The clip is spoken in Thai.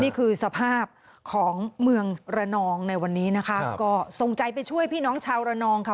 นี่คือสภาพของเมืองระนองในวันนี้นะคะก็ส่งใจไปช่วยพี่น้องชาวระนองค่ะ